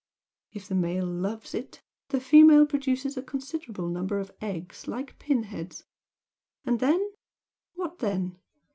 If the male 'loves' it, the female produces a considerable number of eggs like pin heads and then? what then?